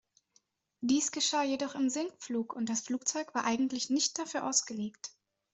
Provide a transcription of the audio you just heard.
Dies geschah jedoch im Sinkflug und das Flugzeug war eigentlich nicht dafür ausgelegt.